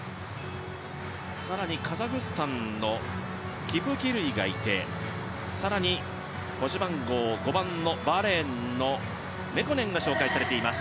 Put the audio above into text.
カザフスタンのキプキルイがいて、５番のバーレーンのメコネンが紹介されています。